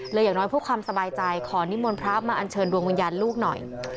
อย่างน้อยเพื่อความสบายใจขอนิมนต์พระมาอัญเชิญดวงวิญญาณลูกหน่อย